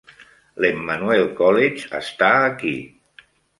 L"Emmanuel College està aquí.